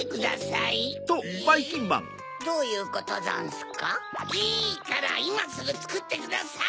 いいからいますぐつくってください！